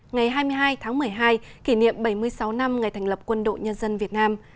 ngày hai mươi hai tháng một mươi hai kỷ niệm bảy mươi sáu năm ngày thành lập quân đội nhân dân việt nam